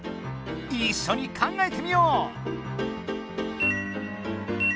いっしょに考えてみよう！